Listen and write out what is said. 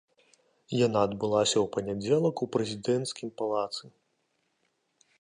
Яна адбылася ў панядзелак у прэзідэнцкім палацы.